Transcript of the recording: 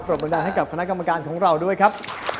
บันดาลให้กับคณะกรรมการของเราด้วยครับ